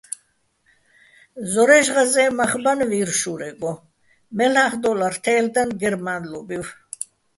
ზორაჲში̆ ღაზეჼ მახ ბანო̆ ვირ შურეგო, მელ'ახ დო́ლარ თე́ლ'დანო̆ გერმა́ნლობივ.